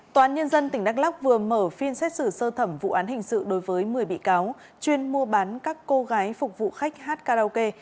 tòa án nhân dân tỉnh đắk lóc vừa mở phiên xét xử sơ thẩm vụ án hình sự đối với một mươi bị cáo chuyên mua bán các cô gái phục vụ khách hát karaoke